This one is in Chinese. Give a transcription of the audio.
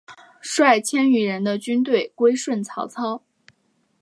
率千余人的军队归顺曹操。